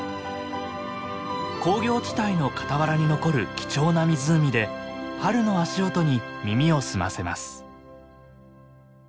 工業地帯の傍らに残る貴重な湖で春の足音に耳を澄ませます。